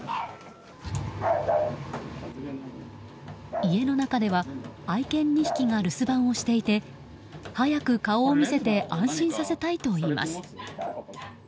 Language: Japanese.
家の中では愛犬２匹が留守番をしていて早く顔を見せて安心させたいといいます。